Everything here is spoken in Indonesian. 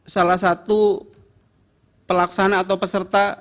salah satu pelaksana atau peserta